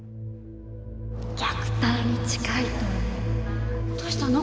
虐待に近いと思うどうしたの？